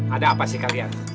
ada apa sih kalian